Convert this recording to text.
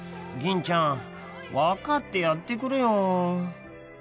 ［吟ちゃん分かってやってくれよ］